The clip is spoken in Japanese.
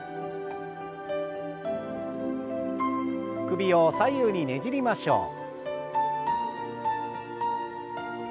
首を左右にねじりましょう。